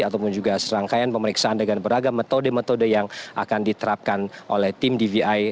ataupun juga serangkaian pemeriksaan dengan beragam metode metode yang akan diterapkan oleh tim dvi